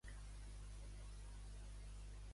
Quant de temps s'ha ocupat de la batllia d'Amposta?